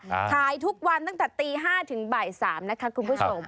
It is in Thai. ขายทุกวันตั้งแต่ตี๕ถึงบ่าย๓นะคะคุณผู้ชม